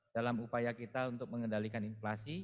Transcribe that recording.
dalam upaya kita untuk mengendalikan inflasi